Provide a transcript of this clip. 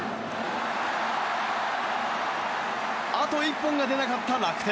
あと１本が出なかった楽天。